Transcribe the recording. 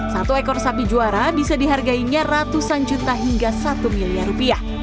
satu ekor sapi juara bisa dihargainya ratusan juta hingga satu miliar rupiah